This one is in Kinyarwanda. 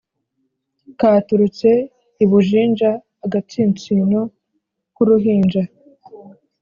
katurutse i bujinja-agatsinsino k'uruhinja.